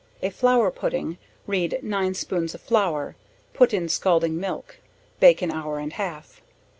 A flour pudding; read 9 spoons of flour, put in scalding milk; bake an hour and half.